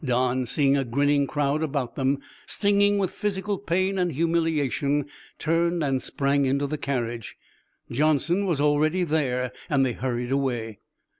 Don, seeing a grinning crowd about them and stinging with physical pain and humiliation, turned and sprang into the carriage. Johnson was already there, and they hurried away.